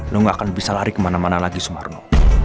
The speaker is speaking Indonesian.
lo gak akan bisa lari kemana mana lagi sumarno